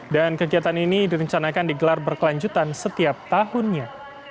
dan kegiatan ini direncanakan digelar berkelanjutan setiap tahunnya